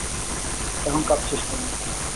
এখন কাঁদছিস কেন?